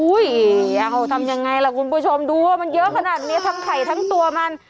เอาทำยังไงล่ะคุณผู้ชมดูว่ามันเยอะขนาดนี้ทั้งไข่ทั้งตัวมัน